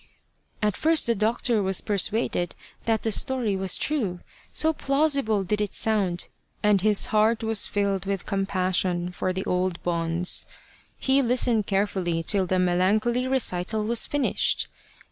At first the doctor was persuaded that the story was true, so plausible did it sound, and his heart was rilled with compassion for the old bonze. He listened care fully till the melancholy recital was finished.